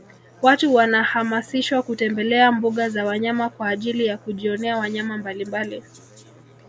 Watu wanahamasishwa kutembelea mbuga za wanyama kwaajili ya kujionea wanyama mbalimbali